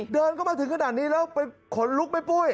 เดินเข้ามาถึงขนลุกไหมปุ้ย